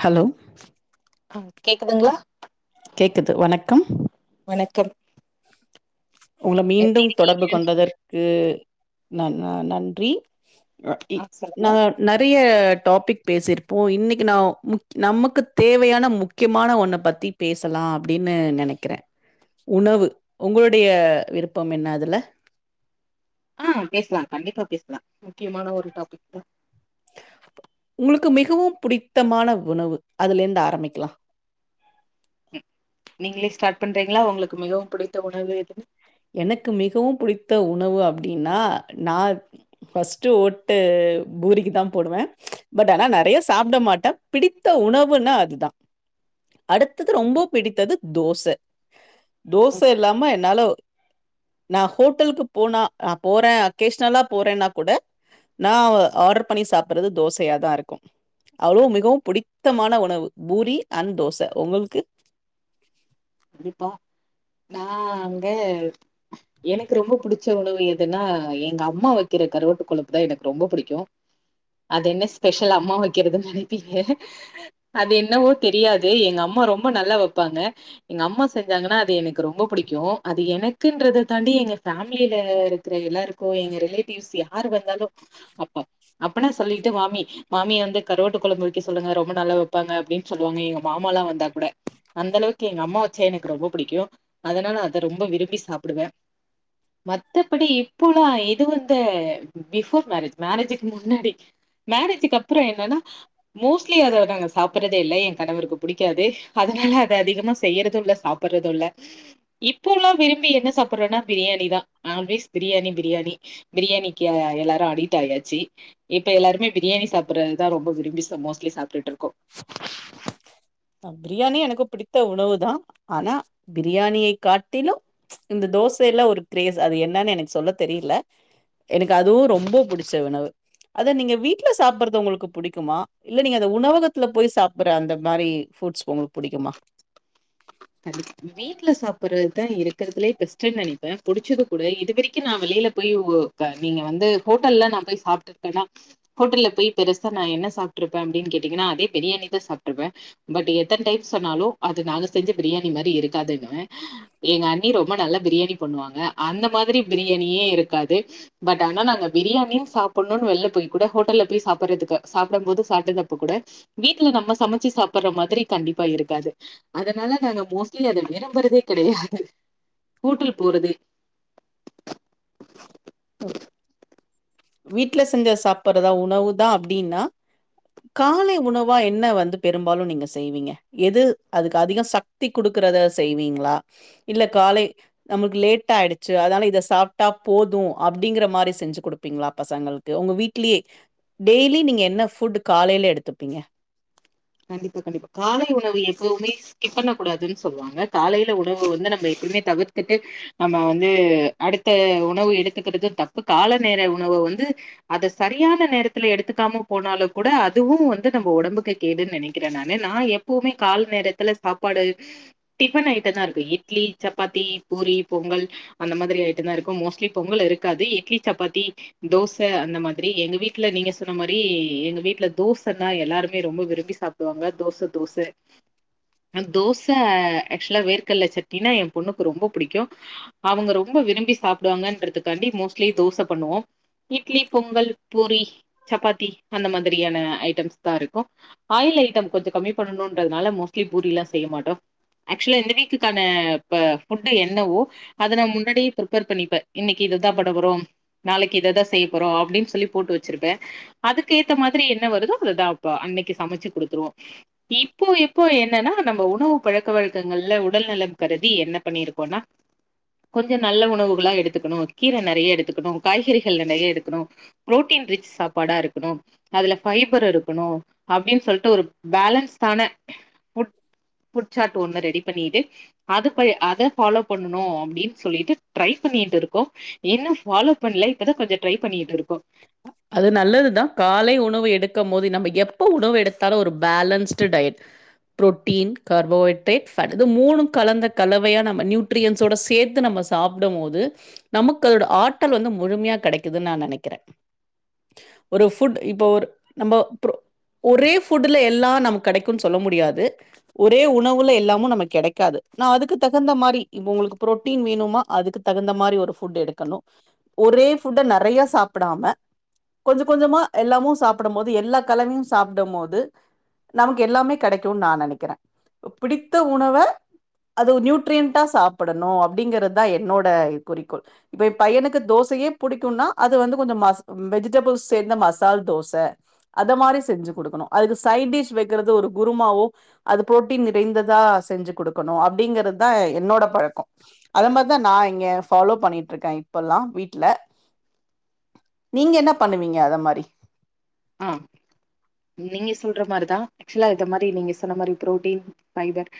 Hello அ கேக்குதுங்ளா கேக்குது வணக்கம் வணக்கம் உங்கள எப்டி மீண்டும் இருக்கீங்க தொடர்பு கொண்டதற்கு ந ந நன்றி ந இ ஆ நா சொல்லுங்க நறை ய டாப்பிக் பேசிருப்போ இன்னக்கி நா முக் நமக்கு தேவையான முக்கியமான ஒன்ன பத்தி பேசலா அப்டின்னு நெனக்கிற உணவு உங்களுடைய விருப்பம் என்ன அதுல ஆ பேஸ்லா கண்டிப்பா பேஸ்லா முக்கியமான ஒரு டாப்பிக் தா உங்களுக்கு மிகவும் புடித்தமான உணவு அதுலேருந்து ஆரம்பிக்கலா ம் நீங்களே ஸ்டார்ட் பண்றீங்ளா உங்களுக்கு மிகவும் புடித்த உணவு எதுன் எனக்கு மிகவும் புடித்த உணவு அப்டின்னா நா ஃபஸ்ட்டு ஓட்டு பூரிக்கி தா போடுவ பட் ஆனா நறையா சாப்ட மாட்ட பிடித்த உணவுன்னா அதுதா அடுத்தது ரொம்பவு பிடித்தது தோச தோச ஓகே இல்லாம என்னால நான் ஹோட்டலுக்கு போன நான் போறேன் அகேஷ் நாளா போறேன்னா கூட நான் ஆர்டர் பண்ணி சாப்படுறது தோசையாதான் இருக்கும் அவ்வளவு மிகவும் பிடித்தமான உணவு பூரி அண்ட் தோச உங்களுக்கு கண்டிப்பா நான் அங்க எனக்கு ரொம்ப பிடிச்ச உணவு எதுன்னா எங்க அம்மா வெக்கிற கரவாட்டு கொழுப்புதான் எனக்கு ரொம்ப பிடிக்கும் அது என்ன ஸ்பெஷல் அம்மா வெக்கிறதுன்னு நினைப்பீங்க அது என்னவோ தெரியாது எங்க அம்மா ரொம்ப நல்லா வெப்பாங்க எங்க அம்மா செஞ்சாங்கன்னா அது எனக்கு ரொம்ப பிடிக்கும் அது எனக்குங்கறது தாண்டி எங்க ஃபேமிலில இருக்கிற எல்லாருக்கும் எங்க ரிலேட்டிவ்ஸ் யார் வந்தாலும் அப்ப அப்பன்னா சொல்லிட்டு மாமி வந்து கருவாட்டு கொழம்பு வெக்க சொல்லுங்க ரொம்ப நல்லா வெப்பாங்க எங்க மாமா எல்லாம் வந்தா கூட அந்த அளவுக்கு எங்க அம்மா வெச்சா எனக்கு ரொம்ப பிடிக்கும் அதனால அத ரொம்ப விரும்பி சாப்பிடுவேன் மத்தபடி இப்பல்லாம் இது வந்து பிஃபோர் மேரேஜ் மேரேஜக்கு முன்னாடி மேரேஜக்கு அப்புறம் என்னன்னா மோஸ்ட்லி அத நாங்க சாப்படுறதே இல்ல என் கணவருக்கு பிடிக்காது அதனால அத அதிகமா செய்யறதும் இல்ல சாப்பிடுறதும் இல்ல இப்போ எல்லாம் விரும்பி என்ன சாப்பிடுறோனா பிரியாணிதான் ஆல்வேஸ் பிரியாணி பிரியாணி பிரியாணிக்கு எல்லாரும் அடிக்ட் ஆயாச்சு இப்ப எல்லாருமே பிரியாணி சாப்பிடுறதுதான் ரொம்ப விரும்பி மோஸ்ட்லி சாப்பிட்டுட்டு இருக்கோம் பிரியாணி எனக்கு பிடித்த உணவு தான் ஆனா பிரியாணியை காட்டிலும் இந்த தோச எல்லாம் ஒரு கிரேஸ் அது என்னன்னு எனக்கு சொல்ல தெரியல எனக்கு அதுவும் ரொம்ப புடிச்ச உணவு அத நீங்க வீட்டுல சாப்பறது உங்களுக்கு பிடிக்குமா இல்ல நீங்க உணவகத்துல போய் சாப்பிடுற அந்த மாதிரி ஃப்ரூட்ஸ் உங்களுக்கு புடிக்குமா வீட்டுல சாப்படுறதுதான் இருக்கிறதுலே பெஸ்டு நினைப்பேன் பிடிச்சது கூட இது வரைக்கும் நான் வெளியில போய் நீங்க வந்து ஹோட்டல்ல நான் போய் சாப்பிட்டு இருக்கேன்னா ஹோட்டல்ல போய் பெருசா நான் என்ன சாப்பிட்டு இருப்பேன் அப்படின்னு கேட்டீங்கன்னா அதே பிரியாணி தான் சாப்பிட்டுருப்பேன் பட் எத்தனை டைப் சொன்னாலும் அது நாங்க செஞ்ச பிரியாணி மாதிரி இருக்காதுன்னுவ எங்க அண்ணி ரொம்ப நல்லா பிரியாணி பண்ணுவாங்க அந்த மாதிரி பிரியாணியே இருக்காது பட் ஆனா நாங்க பிரியாணின்னு சாப்பிடணும்ன்னனு வெளில போய் கூட ஹோட்டல்ல போய் சாப்பிடுறதுக்கு சாப்பிடும் போது சாப்பிதுப்ப கூட வீட்டுல நம்ம சமைச்சு சாப்பிடுற மாதிரி கண்டிப்பா இருக்காது அதனால நாங்க மோஸ்ட்லி அத விரும்ம்புறதே கெடையாது ஹோட்டல் போறது வீட்ல செஞ்ச சாப்பிறதா உணவுதான் அப்படின்னா காலை உணவா என்ன வந்து பெரும்பாலும் நீங்க செய்வீங்க எது அதுக்கு அதிகம் சக்தி குடுக்குறத செய்வீங்களா இல்ல காலை நமக்கு லேட்ட ஆயிடுச்சு அதனால இத சாப்பிட்டா போதும் அப்படிங்கற மாதிரி செஞ்சு கொடுப்பீங்களா பசங்களுக்கு உங்க வீட்லயே டெய்லி நீங்க என்ன ஃபுட் காலையில எடுத்துப்பீங்க கண்டிப்பா கெடைக்கும் காலை உணவு எப்பவுமே ஸ்கிப் பண்ண கூடாதுன்னு சொல்லுவாங்க காலையில உணவு வந்து நம்ம எப்பவுமே தவிர்த்துட்டு நம்ம வந்து அடுத்த உணவு எடுத்துக்கறதும் தப்பு கால நேர உணவந்து அதை சரியான நேரத்துல எடுத்துக்காம போனாலும் கூட அதுவும் வந்து நம்ம உடம்புக்கு கேடுனு நெனைக்கிறேன் நான் எப்பவுமே கால நேரத்துல சாப்பாடு டிபன் ஐட்டம் தான் இருக்கும் இட்லி சப்பாத்தி பூரி பொங்கல் அந்த மாதிரி ஐட்டம் தான் இருக்கும் மோஸ்ட்லி பொங்கல் இருக்காது இட்லி சப்பாத்தி தோசை அந்த மாதிரி எங்க வீட்டுல நீங்க சொன்ன மாதிரி எங்க வீட்டுல தோச தான் எல்லாருமே ரொம்ப விரும்பி விரும்பி சாப்பிடுவாங்க தோச தோச தோச ஆ தோசை ஆக்சுவலா வேர்கல்ல சட்னி என் பொண்ணுக்கு ரொம்ப பிடிக்கும் அவங்க ரொம்ப விரும்பி சாப்பிடுவாங்கதுாண்ட மோஸ்ட்லி தோச பண்ணுவோம் இட்லி பொங்கல் பூரி சப்பாத்தி அந்த மாதிரியான ஐட்டம்ஸ் தான் இருக்கும் ஆயில் ஐட்டம் கொஞ்சம் கம்மி பண்ணணும்ன்றதுனால மோஸ்ட்லி பூரில்லாம் செய்ய மாட்டோம் ஆக்சுவலி இந்த வீக்குக்கான ஃபுட் என்னவோ அதை நான் முன்னாடியே பிப்பேர் பண்ணிப்பேன் இன்னைக்கு இதைதான் பண்ண போறோம் நாளைக்கு இதைதான் செய்ய போறோம் அப்படின்னு சொல்லி போட்டு வச்சிருப்பேன் அதுக்கு ஏத்த மாதிரி என்ன வருதோ அததான்ப்ப அன்னைக்கு சமைச்சு குடுத்துருவோம் இப்போ இப்போ என்னன்னா நம்ம உணவு பழக்க வழக்கங்கள்ல உடல் நலம் கருதி என்ன பண்ணிருக்கோனா கொஞ்சம் நல்ல உணவுகளா எடுத்துக்கணும் கீரை நறைய எடுத்துக்கணும் காய்கறிகள் நறைய எடுக்கணும் புரோட்டன் ரிச் சாப்பாடா இருக்கணும் அதுல ஃபைபர் இருக்கணும் அப்படின்னு சொல்லிட்டு ஒரு பேலன்ஸ ஆன பு புடச்சா [unintelligible] ரெடி பண்ணிட்டு அநபடி அத ஃபாலோ பண்ணும் அப்படின்னு சொல்லிட்டு ட்ரை பண்ணிட்டு இருக்கோம் இன்னும் ஃபாலோ பண்ணல இப்பதான் கொஞ்சம் ட்ரை பண்ணிட்டு இருக் அது நல்லதுதான் காலை உணவு எடுக் கும் போது நம்ம எப்ப உணவு எடுத்தாலும் ஒரு balanced diet protein carbohydrate fat இது மூணும் கலந்த கலவையா நாம நியூட்ரயன்ஸ் சேர்த்து நம்ம சாப்புடும் போது நமக்கு அதோட ஆற்றல் வந்து முழுமையா கெடைக்குதுன் நான் நெனக்கறேன் ஒரு ஃபுட் இப்ப ஒரு நம்ம ஒரே ஃபுட்ல எல்லாம் நமக்கு கெடைக்கும்னு சொல்ல முடியாது ஒரே உணவுல எல்லாமும் நமக்கு கெடைக்காது நான் அதுக்கு தகுந்த மாரி இப்ப உங்களுக்கு புரோட்டீன் வேணுமா அதுக்கு தகுந்த மாரி ஒரு ஃபுட் எடுக்கணும் ஒரே ஃபுட்ட நெறய சாப் படாம கொஞ்சம் கொஞ்சமா எல்லாமும் சாப்பிடும் போது எல்லா கலவையும் சாப்பிடும் போது நமக்கு எல்லாமே கெடைக்கும்னு நான் நெனைக்கிறேன் பிடித்த உணவை அது நியூட்ரியன்ட்ட சாப்பிடணும் அப்படிங்கறதுதான் என்னோட குறிக்கோள் இப்ப பையனுக்கு தோசையே பிடிக்கும்னா அது வந்து கொஞ்சம் மசா வெஜிடபிள் சேர்ந்த மசால் தோச அத மாரி செஞ்சு குடுக்கணும் அதுக்கு சைடு டிஷ் வைக்கறது ஒரு குருமாவோ அது புரோட்டீன் நிறைந்ததா செஞ்சு கொடுக்கணும் அப்படிங்கறதுதான் என்னோட பழக்கம் அத மாரிதான் நான் இங்க ஃபாலோ பண்ணிட்டு இருக்கேன் இப்பல்லாம் வீட்ல நீங்க என்ன பண்ணுவீங்க அத மாரி ஆஹ் நீங்க சொல்ற மாரிதான் ஆக்சுவலா இத மாரி நீங்க சொன்ன மாரி புரோட்டீன் பைபர்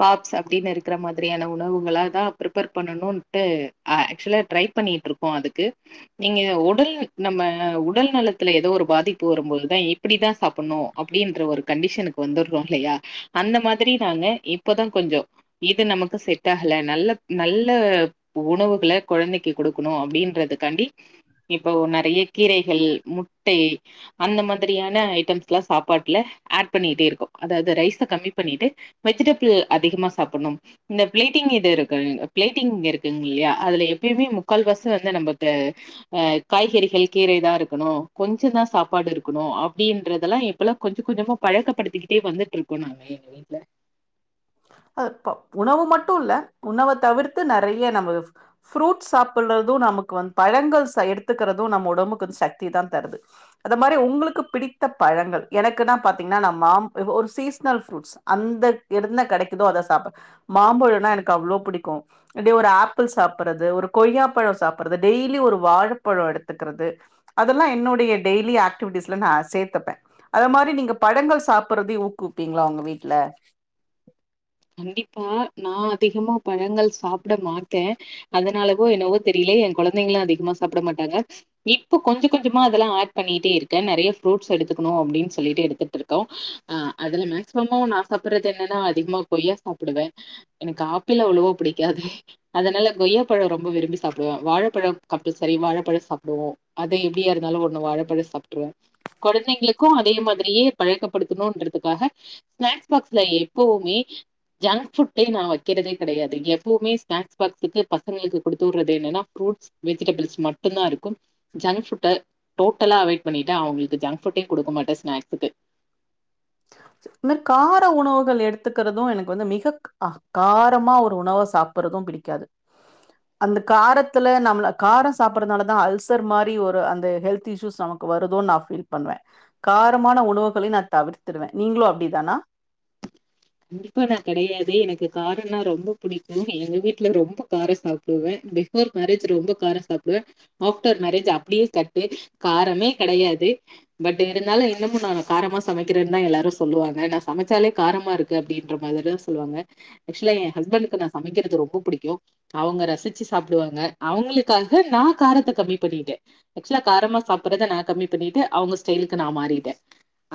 காப்ஸ் அப்படின்னு இருக்கற மாதிரியான உணவுகள தான் பிரிப்பேர் பண்ணணும்டு ஆக்சுவலா ட்ரை பண்ணிட்டு இருக்கோம் அதுக்கு நீங்க உடல் நம்ம உடல் நலத்துல ஏதோ ஒரு பாதிப்பு வரும்போதுதான் இப்படிதான் சாப்பிடணும் அப்படின்ற ஒரு கண்டிஷனுக்கு வந்துடுறோம் இல்லையா அந்த மாதிரி நாம இப்ப தான் கொஞ்சம் இது நமக்கு செட் ஆகல நல்ல நல்ல உணவுகள கொழந்தைக்கு கொடுக்கணும் அப்படின்றதுக்காண்டி இப்போ நெறய கீரைகள் முட்டை அந்த மாதிரியான ஐட்டம்ஸ் எல்லாம் சாப்பாட்டுல ஆட் பண்ணிட்டே இருக்கம் அதாவது ரைஸை கம்மி பண்ணிட்டு வெஜிடபிள் அதிகமா சாப்பிடணும் இந்த பிளேட்டிங் இது இருக்கு பிளேட்டிங் இருக்குங் இல்லையா அதுல எப்பயுமே முக்கால்வாச வந்து நமக்கு அஹ் காய்கறிகள் கீரை தான் இருக்கணும் கொஞ்ச தான் சாப்பாடு இருக்கணும் அப்படின்றதெல்லாம் இப்பெல்லாம் கொஞ்சம் கொஞ்சமா பழக்கப்படுத்திக்கிட்டே வந்துட்டு இருக்கோம் நாங்க எங்க வீட்ல இப்போ உணவு மட்டும் இல்ல உணவ தவிர்த்து நெறய நம்ம ஃப்ரூட்ஸ் சாப்பிடுறதும் நமக்கு வந்து பழங்கள் எடுத்துக்கிறதும் நம்ம உடம்புக்கு வந்து சக்தி தான் தருது அத மாரி உங்களுக்கு பிடித்த பழங்கள் எனக்குன்னா பாத்தீங்கன்னா நம் மா ஒரு சீசனல் ப்ரூட்ஸ் அந்த இருந்த கிடைக்குதோ அத சாப்ட மாம்பழம்னா எனக்கு அவ்ளோ புடிக்கும் அதே ஒரு ஆப்பிள் சாப்பறது ஒரு கொய்யா பழம் சாப்பறது டெய்லியும் ஒரு வாழப்பழம் எடுத்துக்கிறது அதெல்லாம் என்னுடைய டெய்லி ஆக்டிவிடிஸ்ல நான் சேர்த்தப்பேன் அத மாரி நீங்க பழங்கள் சாப்பறத ஊக்குவிப்பீங்களா உங்க வீட்ல கண்டிப்பா நான் அதிகமா பழங்கள் சாப்பிட மாட்டேன் அதனாலவோ என்னவோ தெரியல என் குழந்தைங்களும் அதிகமா சாப்பிட மாட்டாங்க இப்ப கொஞ்சம் கொஞ்சமா அதெல்லாம் ஆட் பண்ணிட்டே இருக்கேன் நெறய ஃப்ரூட்ஸ் எடுத்துக்கணும் அப்படின்னு சொல்லிட்டு எடுத்துட்டு இருக்கோம் ஆஹ் அதுல மேக்சிமமும் நான் சாப்பிறது என்னன்னா அதிகமா கொய்யா சாப்பிடுவேன் எனக்கு ஆப்பிள் அவ்ளவோ புடிக்காது அதனால கொய்யா பழம் ரொம்ப விரும்பி சாப்பிடுவேன் வாழப்பழம் கம்பல்சரி வாழப்பழம் சாப்பிடுவோம் அது எப்படியா இருந்தாலும் ஒண்ணு வாழப்பழம் சாப்பிட்டுருவேன் கொழந்தைங்களுக்கும் அதே மாதிரியே பழக்கப்படுத்தணும்ன்றதுக்காக ஸ்நாக்ஸ் பாக்ஸ்ல எப்பவுமே ஜங்க் ஃபுட்டே நான் வைக்கறதே கெடையாது எப்பவுமே ஸ்நாக்ஸ் பாக்சுக்கு பசங்களுக்கு கொடுத்து விடறது என்னன்னா ஃப்ரூட்ஸ் வெஜிடபிள்ஸ் மட்டும்தான் இருக்கும் ஜங்க் ஃபுட்டை டோட்டலா அவாய்ட் பண்ணிட்டேன் அவங்களுக்கு ஜங்க் ஃபுட்டையும் குடுக்க மாட்டேன் ஸ்நாக்ஸுக்கு இந்த கார உணவுகள் எடுத்துக்கறதும் எனக்கு வந்து மிக காரமா ஒரு உணவ சாப்படுறதும் பிடிக்காது அந்த காரத்துல நம்மள காரம் சாப்படுறதுனாலதான் அல்சர் மாரி ஒரு அந்த ஹெல்த் இஸ்யூஸ் நமக்கு வருதோ நான் ஃபீல் பண்ணுவேன் காரமான உணவுகளை நான் தவிர்த்துடுவேன் நீங்களும் அப்படி தானா கண்டிப்பா நான் கெடயாது எனக்கு காரம்னா ரொம்ப பிடிக்கும் எங்க வீட்ல ரொம்ப காரம் சாப்பிடுவேன் பிஃபோர் மேரேஜ் ரொம்ப காரம் சாப்பிடுவேன் ஆஃப்டர் மேரேஜ் அப்படியே கட்டு காரமே கெடயாது பட் இருந்தாலும் இன்னமும் நான் காரமா சமைக்கிறேன்னு தான் எல்லாரும் சொல்லுவாங்க நான் சமைச்சாலே காரமா இருக்கு அப்படிங்கற மாதிரி தான் சொல்லுவாங்க அக்சுவல் என் ஹஸ்பண்ட்க்கு நான் சமைக்கறது ரொம்ப புடிக்கும் அவங்க ரசிச்சி சாப்பிடுவாங்க அவங்களுக்காக நான் காரத்தை கம்மி பண்ணிட்டேன் அக்சுவலஹ் காரமா சாப்பிடறத ந கம்மி பண்ணிட்டு அவங்க ஸ்டைல்க்கு ந மாறிட்டேன்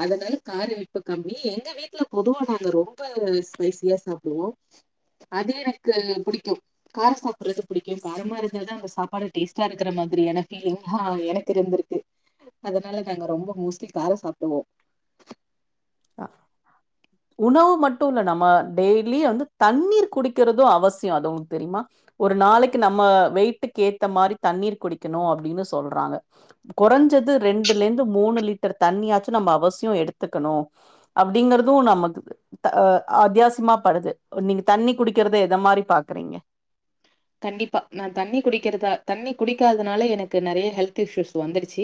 அதனால காரம் இப்போ கம்மி எங்க வீட்ல பொதுவா நாங்க ரொம்ப ரொம்ப ஸ்பைசியா சாப்பிடுவோம் அதே எனக்கு புடிக்கும் காரம் சாப்பிடுறது புடிக்கும் காரமா இருந்த தான் அந்த சாப்பாடு டேஸ்ட்டா இருக்கற மாதிரி எனக்கே லிங் ஆஹ எனக்கு இருந்திருக்கு அதனால நாங்க ரொம்ப மோஸ்ட்லி காரம் சாப்டுவோம் உணவு மட்டும் இல்ல நம்ம டெய்லி வந்து தண்ணீர் குடிக்கறதும் அவசியம் அது உங்களுக்கு தெரியுமா ஒரு நாளைக்கு நம்ம வெயிட்டுக்கு ஏத்த மாரி தண்ணீர் குடிக்கணும் அப்படின்னு சொல்றாங்க குறைஞ்சது ரெண்டுல இருந்து மூணு லிட்டர் தண்ணியாச்சும் நம்ம அவசியம் எடுத்துக்கணும் அப்படிங்கறதும் நமக்கு அ அத்தியாசியமாப்படுது நீங்க தண்ணி குடிக்கறத எத மாரி பாக்குறீங்க கண்டிப்பா நான் தண்ணி குடிக்கறதா தண்ணி குடிக்காதனால எனக்கு நெறய ஹெல்த் இஸ்யூஸ் வந்துருச்சு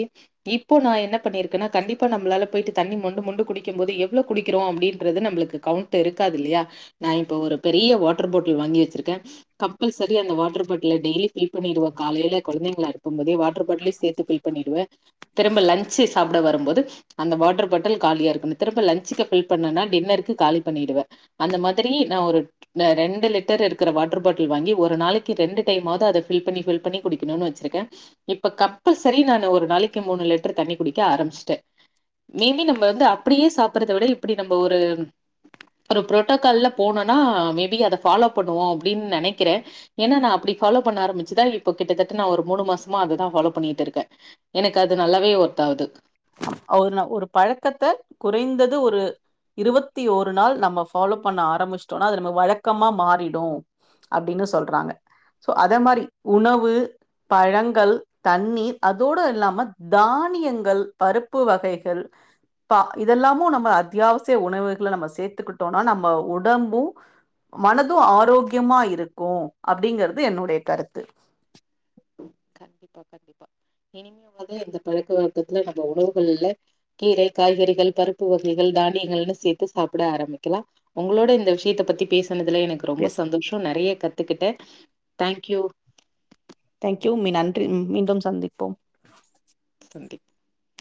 இப்போ நான் என்ன பண்ணிருக்கேன்னா கண்டிப்பா நம்மளால போயிட்டு தண்ணி மொண்டு மொண்டு குடிக்கும் போது எவ்வளவு குடிக்கறோம் அப்படின்றது நம்மளுக்கு கவுண்ட் இருக்காது இல்லையா நான் இப்ப ஒரு பெரிய வாட்டர் பாட்டில் வாங்கி வச்சிருக்கேன் கம்பல் சரி அந்த வாட்டர் பாட்டில் டெய்லி கிளீன் பண்ணிடுவ காலையில கொழந்தைங்கள இருக்கும் போதே வாட்டர் பாட்டில சேர்த்து பேக் பண்ணிடுவேன் திரும்ப லஞ் சாப்பட வரும் போது அந்த வாட்டர் பாட்டில் காலியா இருக்கும் திரும்ப லஞ்ச்க்கு பேக் பண்ணிணா டின்னருக்கு காலி பண்ணடுவேன் அந்த மாதிரி நான் ஒரு ரெண்டு லிட்டர் இருக்கற வாட்டர் பாட்டில் வாங்கி ஒரு நாளைக்கு ரெண்டு டைம் ஆவது அத ப்பில் ப்பில் பண்ணி குடிக்கணும்னு வச்சிருக்கேன் இப்ப கம்பல்சரி ஒரு நாளைக்கு மூணு லிட்டர் தண்ணி குடிக்க ஆரம்பிச்சுட்டேன் டெய்லியும் நாம வந்து அப்படியே சாப்டறத விட இப்படி ஒரு ப்புரோட்டோகால போணும்னா மே பி அத ஃபாலோவ் பண்ணுவோம் அப்படினு நெனைக் க்கிறேன் ஏன்னா நான் அப்படி ஃபாலோ பண்ண ஆரம்பிச்சுதான் இப்ப கிட்டத்தட்ட நான் ஒரு மூணு மாசமா அததான் ஃபாலோ பண்ணிட்டு இருக்கேன் எனக்கு அது நல்லாவே ஒர்த் ஆவுது ஒரு ஒரு பழக்கத்தை குறைந்தது ஒரு இருபத்தி ஒரு நாள் நம்ம ஃபாலோ பண்ண ஆரம்பிச்சிட்டோம்னா அது நம்ம வழக்கமா மாறிடும் அப்படின்னு சொல்றாங்க சோ அதே மாதிரி உணவு பழங்கள் தண்ணீர் அதோட இல்லாம தானியங்கள் பருப்பு வகைகள் ப இதெல்லாமும் நம்ம அத்தியாவசிய உணவுகளை நம்ம சேத்துக்கிட்டோனா நம்ம உடம்பும் மனதும் ஆரோக்கியமா இருக்கு அப்டிங்கறது என்னுடைய கருத்து கண்டிப்பா கண்டிப்பா இனிமேயாவது இந்த பழக்க வக்கத்துல நம்ம உணவுகள்ல கீரை காய்கறிகள் பருப்பு வகைகள் தானியங்கள்னு சேத்து சாப்ட ஆரம்பிக்கலாம் உங்களோட இந்த விஷயத்த பத்தி பேச னதுல எனக்கு ரொம்ப எஸ். சந்தோஷம் நெறய கத்துக்கிட்டேன் தங்க்யூ தங்க்யூ ம்மி நன்றி மீண்டும் சந்திப்போம் [unintelligible]